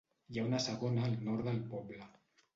Hi ha una segona al nord del poble.